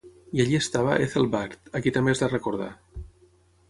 I allí estava Ethel Baird, a qui també has de recordar.